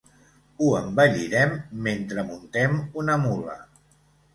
Ho embellirem mentre muntem una mula.